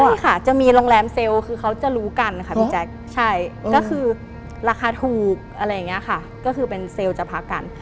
นี่ค่ะจะมีโรงแรมเซลล์คือเขาจะรู้กันค่ะพี่แจ๊คใช่ก็คือราคาถูกอะไรอย่างนี้ค่ะก็คือเป็นเซลล์จะพักกัน